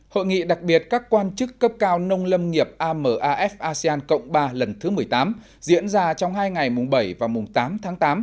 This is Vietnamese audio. hội nghị đặc biệt các quan chức cấp cao nông lâm nghiệp amaf asean cộng ba lần thứ một mươi tám diễn ra trong hai ngày mùng bảy và mùng tám tháng tám